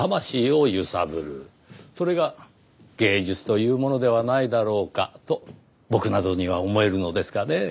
それが芸術というものではないだろうかと僕などには思えるのですがね。